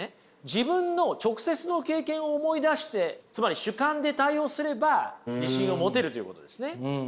自分の直接の経験を思い出してつまり主観で対応すれば自信を持てるということですね。